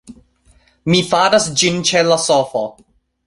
Mi faras ĝin ĉe la sofo